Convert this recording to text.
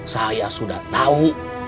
saya sudah tahu